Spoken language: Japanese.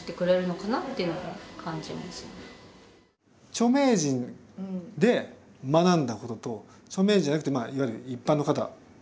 著名人で学んだことと著名人じゃなくてまあいわゆる一般の方。